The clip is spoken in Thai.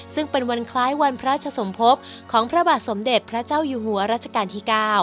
ซึ่งเป็นวันคล้ายวันพระราชสมภพของพระบาทสมเด็จพระเจ้าอยู่หัวรัชกาลที่๙